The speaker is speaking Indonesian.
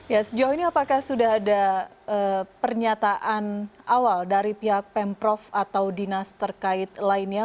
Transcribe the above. ya sejauh ini apakah sudah ada pernyataan awal dari pihak pemprov atau dinas terkait lainnya